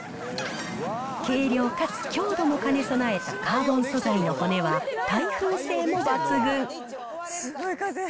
軽量かつ強度も兼ね備えたカーボン素材の骨は、耐風性も抜群すごい風。